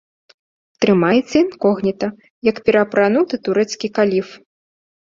Трымаецца інкогніта, як пераапрануты турэцкі каліф.